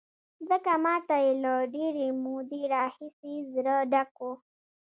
ځکه ما ته یې له ډېرې مودې راهیسې زړه ډک و.